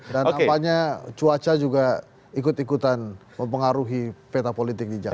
dan tampaknya cuaca juga ikut ikutan mempengaruhi peta politik di jawa